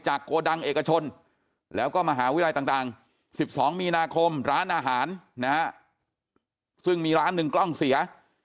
โกดังเอกชนแล้วก็มหาวิทยาลัยต่าง๑๒มีนาคมร้านอาหารนะฮะซึ่งมีร้านหนึ่งกล้องเสีย